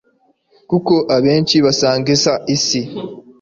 kuko abenshi basangiza Isi